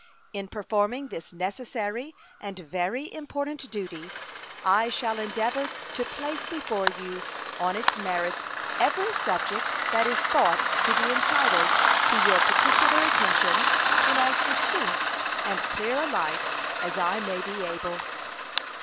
In performing this necessary and very important duty I shall endeavor to place before you on its merits every subject that is thought to be entitled to your particular attention in as distinct and clear a light as I may be able.